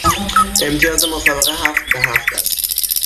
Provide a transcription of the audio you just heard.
امتیاز مسابقه هفت به هفت است.